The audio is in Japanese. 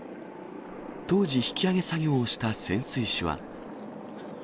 当時、引き揚げ作業をした潜水士は。